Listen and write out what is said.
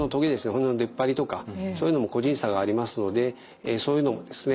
骨の出っ張りとかそういうのも個人差がありますのでそういうのもですね